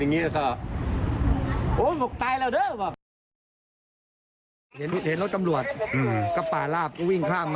เห็นรถจำรวจก็ป่าราบก็วิ่งข้ามมา